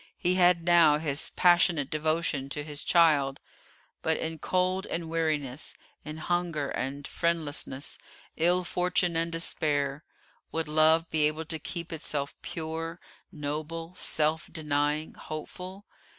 He had now his passionate devotion to his child; but in cold and weariness, in hunger and friendlessness, ill fortune and despair, would love be able to keep itself pure, noble, self denying, hopeful?